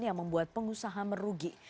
yang membuat pengusaha merugi